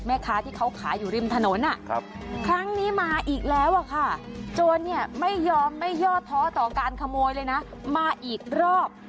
แม่ค้าที่เขาขายอยู่ริมถนนครั้งนี้มาอีกแล้วอะค่ะโจรเนี่ยไม่ยอมไม่ย่อท้อต่อการขโมยเลยนะมาอีกรอบ